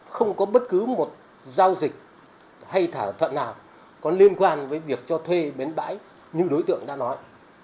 không có bất cứ một giao dịch hay thỏa thuận nào có liên quan với việc cho thuê bến bãi như đối tượng đã nói